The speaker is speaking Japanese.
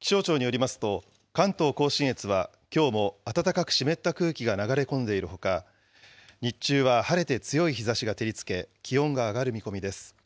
気象庁によりますと、関東甲信越はきょうも暖かく湿った空気が流れ込んでいるほか、日中は晴れて強い日ざしが照りつけ、気温が上がる見込みです。